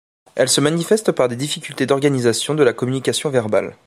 Elle se manifeste par des difficultés d'organisation de la communication verbale.